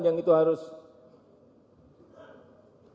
yang tidak berhasil